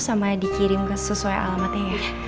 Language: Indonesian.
sama dikirim sesuai alamatnya ya